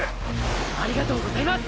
ありがとうございます！！